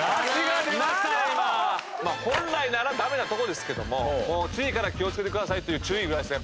まあ本来ならダメなとこですけども次から気をつけてくださいという注意ぐらいですね。